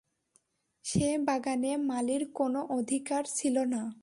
সে বাগানে মালীর কোনো অধিকার ছিল না।